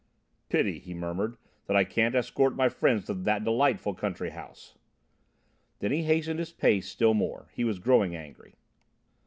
"Pity," he murmured, "that I can't escort my friends to that delightful country house." Then he hastened his pace still more. He was growing angry.